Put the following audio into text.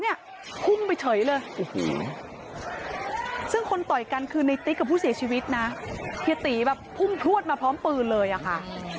นี้หุ้นไปเฉยเลยกูซึ่งคนต่อยกันคือในกระบุเสียชีวิตนะเกตีบับพุ่งพระมาพร้อมปืนเลยอ่ะค่ะ